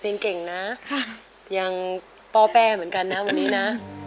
เปอแปเหมือนกันนะเดี๋ยวนะ